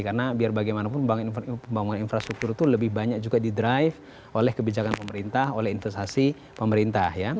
karena biar bagaimanapun pembangunan infrastruktur itu lebih banyak juga di drive oleh kebijakan pemerintah oleh investasi pemerintah